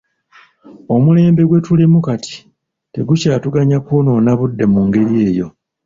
Omulembe gwe tulimu kati tegukyatuganya kwonoona budde mu ngeri eyo.